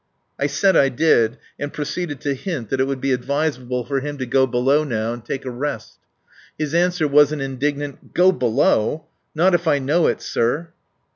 I said I did, and proceeded to hint that it would be advisable for him to go below now and take a rest. His answer was an indignant "Go below! Not if I know it, sir."